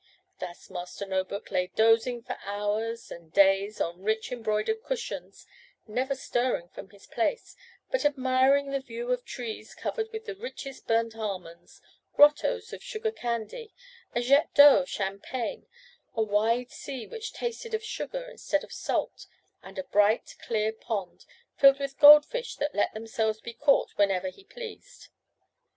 Thus Master No book lay dozing for hours and days on rich embroidered cushions, never stirring from his place, but admiring the view of trees covered with the richest burnt almonds, grottoes of sugar candy, a jet d'eau of champagne, a wide sea which tasted of sugar instead of salt, and a bright, clear pond, filled with gold fish that let themselves be caught whenever he pleased.